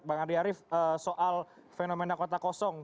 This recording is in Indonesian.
bang andi arief soal fenomena kota kosong